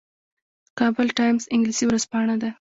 کابل ټایمز انګلیسي ورځپاڼه ده